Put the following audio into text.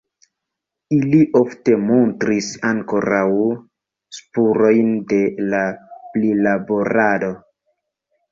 Ili ofte montris ankoraŭ spurojn de la prilaborado.